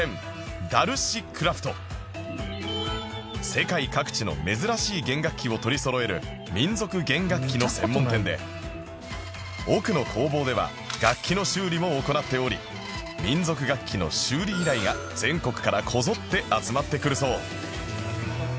世界各地の珍しい弦楽器を取りそろえる民族弦楽器の専門店で奥の工房では楽器の修理も行っており民族楽器の修理依頼が全国からこぞって集まってくるそう